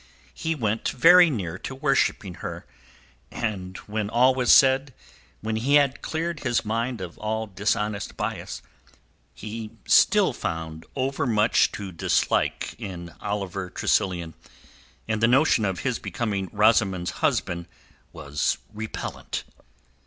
He went very near to worshipping her, and when all was said, when he had cleared his mind of all dishonest bias, he still found overmuch to dislike in Oliver Tressilian, and the notion of his becoming Rosamund's husband was repellent.